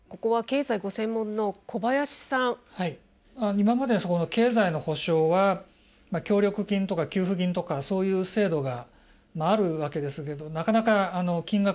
今まで経済の補償は協力金とか給付金とかそういう制度があるわけですけどなかなか金額が少ない。